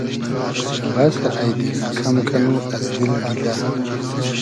بئسۂ اݷ دیل کئم کئنو از دیل گیلۂ